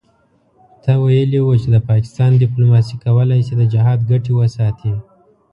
ته ویلي وو چې د پاکستان دیپلوماسي کولای شي د جهاد ګټې وساتي.